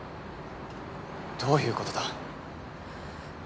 どういうことだ？